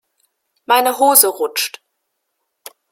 Meine Hose rutscht.